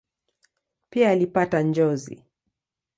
Pia alipata njozi.